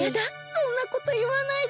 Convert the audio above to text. そんなこといわないで。